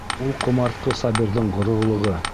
Ул ҡомартҡы Сабирҙың ғорурлығы!